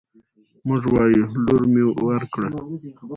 موږ وايو: لور مې ورکړ